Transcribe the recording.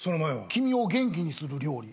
「きみを元気にする料理」